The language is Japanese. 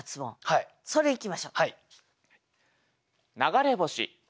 それいきましょう。